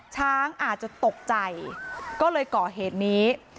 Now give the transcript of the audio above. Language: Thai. ช้างอาจจะตกใจก็เลยก่อเหตุนี้